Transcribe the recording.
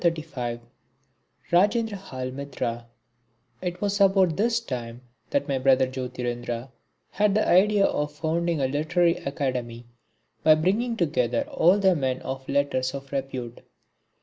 PART VII (35) Rajendrahal Mitra It was about this time that my brother Jyotirindra had the idea of founding a Literary Academy by bringing together all the men of letters of repute.